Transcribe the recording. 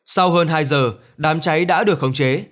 sau hơn hai giờ đám cháy đã được khống chế